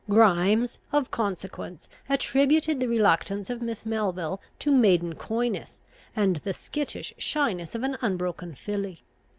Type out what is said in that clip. Grimes, of consequence, attributed the reluctance of Miss Melville to maiden coyness, and the skittish shyness of an unbroken filly.